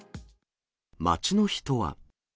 街の人は。